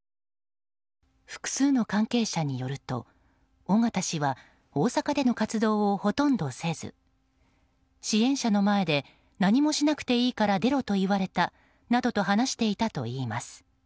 複数の関係者によると尾形氏は大阪での活動をほとんどせず支援者の前で何もしなくていいから出ろと言われたなどと話していたといいます。